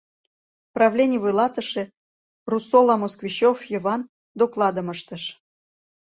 Правлений вуйлатыше, Русола Москвичёв Йыван, докладым ыштыш.